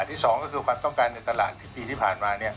ที่สองก็คือความต้องการในตลาดที่ปีที่ผ่านมา